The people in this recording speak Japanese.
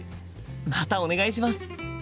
またお願いします。